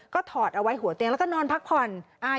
ก็ถอดเอาไว้หัวเตียงแล้วก็นอนพักผ่อน